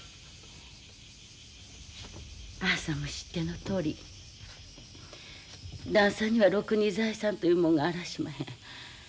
あんさんも知ってのとおり旦さんにはろくに財産というもんがあらしまへん。